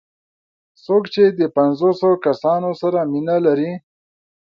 څوک چې د پنځوسو کسانو سره مینه لري.